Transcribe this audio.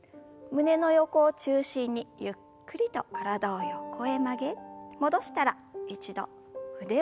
胸の横を中心にゆっくりと体を横へ曲げ戻したら一度腕を振る運動です。